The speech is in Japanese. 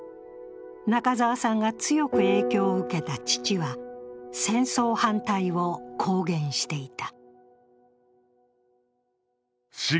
中沢さんが強く影響を受けた父は戦争反対を公言していた。